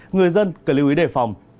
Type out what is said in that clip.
người dân cần lưu ý đề phòng